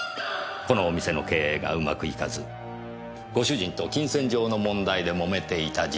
このお店の経営がうまくいかずご主人と金銭上の問題で揉めていた事実。